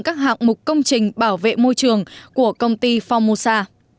các hạng mục công trình bảo vệ môi trường của công ty phongmosa